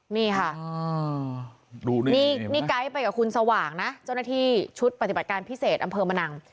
นี่ค่ะดูนี่ไกด์ไปกับคุณสว่างนะเจ้าหน้าที่ชุดปฏิบัติการพิเศษอำเภอมะนัง